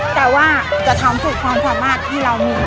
แต่ว่าจะทำสูตรปรองชอบมากที่เรามี